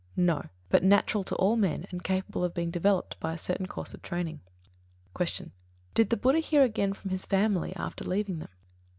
No, but natural to all men and capable of being developed by a certain course of training. 85. Q. _Did the Buddha hear again from his family after leaving them?